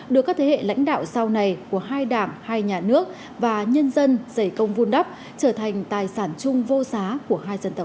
đưa các thế hệ lãnh đạo sau này của hai đảng hai nhà nước và nhân dân dày công vun đắp trở thành tài sản chung vô giá của hai dân tộc